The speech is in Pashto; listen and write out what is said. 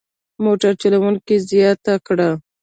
موټر چلوونکي زیاته کړه.